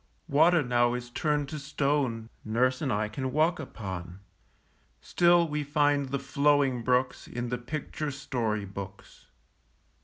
Water now is turned to stone Nurse and I can walk upon; Still we find the flowing brooks In the picture story books.